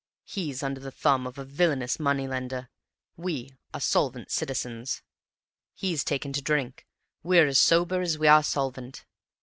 He's under the thumb of a villainous money lender; we are solvent citizens. He's taken to drink; we're as sober as we are solvent.